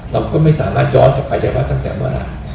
เราก็ไม่สามารถย้อนกลับไปได้ว่าตั้งแต่เมื่อไหร่